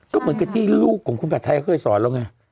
ก็เหมือนกับที่ลูกของคุณผัดไทยเคยสอนแล้วไง